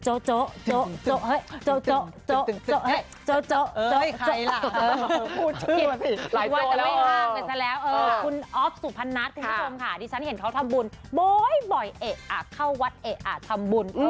โจโจโจโจโจกและสามารถรอบว่านี้กัน